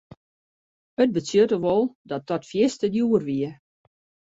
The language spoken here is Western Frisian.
It betsjutte wol dat dat fierste djoer wie.